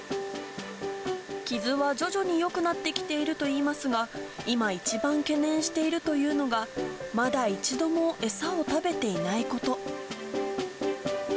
傷は徐々によくなってきているといいますが、今、一番懸念しているというのが、まだ一度も餌を食べていないこと。